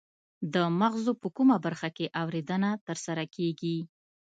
د مغزو په کومه برخه کې اوریدنه ترسره کیږي